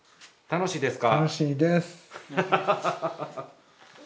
楽しいです。